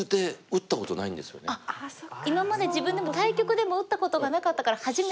今まで自分でも対局でも打ったことがなかったから初めて。